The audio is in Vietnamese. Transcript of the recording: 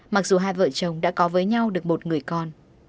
mặc dù hai vợ chồng đã có với nhau được một người con